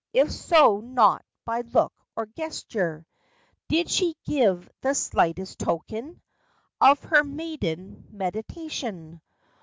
If so, not by look or gesture Did she give the slightest token Of her " maiden meditation."